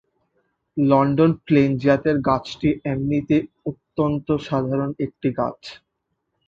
London plane জাতের গাছটি এমনিতে অত্যন্ত সাধারণ একটি গাছ।